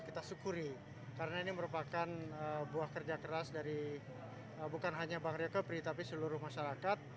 kita patut kita syukuri karena ini merupakan buah kerja keras dari bukan hanya bank riau kepri tapi seluruh masyarakat